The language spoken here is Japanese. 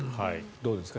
どうですか？